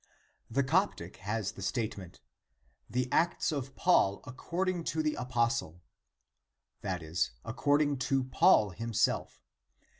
The Coptic has the statement :" the Acts of Paul accord ing to the Apostle," i.e. according to Paul himself.